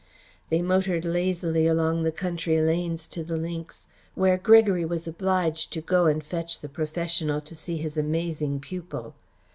They motored lazily along the country lanes to the links, where Gregory was obliged to go and fetch the professional to see his amazing pupil.